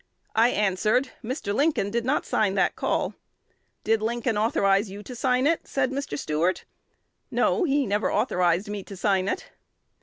I answered, 4 Mr. Lincoln did not sign that call.' 'Did Lincoln authorize you to sign it?' said Mr. Stuart. 'No: he never authorized me to sign it.'